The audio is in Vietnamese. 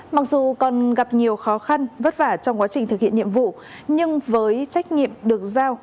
mặc dù còn gặp nhiều khó khăn vất vả trong quá trình thực hiện nhiệm vụ nhưng với trách nhiệm được giao